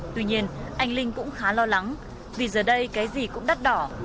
tuy nhiên anh linh cũng khá lo lắng vì giờ đây cái gì cũng đắt đỏ